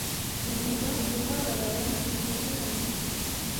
ugomba guhagarara mu muryango